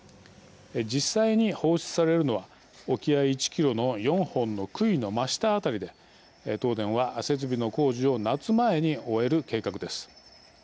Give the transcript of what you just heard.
実際に放出されるのは沖合１キロの４本のくいの真下辺りで東電は設備の工事を夏前に終える計画です。